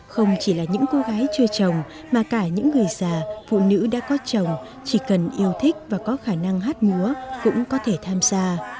không chỉ là những cô gái chưa chồng mà cả những người già phụ nữ đã có chồng chỉ cần yêu thích và có khả năng hát múa cũng có thể tham gia